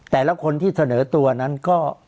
แต่ละคนที่เสนอตัวนั้นก็